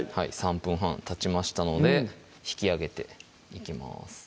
３分半たちましたので引き上げていきます